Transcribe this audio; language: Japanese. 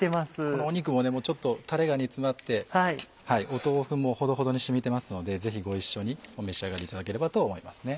この肉もちょっとタレが煮詰まって豆腐もほどほどに染みてますのでぜひご一緒にお召し上がりいただければと思いますね。